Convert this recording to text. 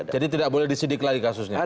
jadi tidak boleh disidik lagi kasusnya